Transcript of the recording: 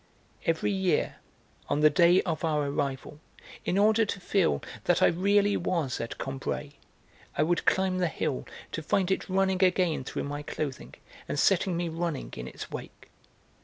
Every year, on the day of our arrival, in order to feel that I really was at Combray, I would climb the hill to find it running again through my clothing, and setting me running in its wake.